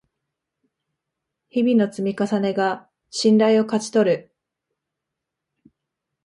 日々の積み重ねが信頼を勝ち取る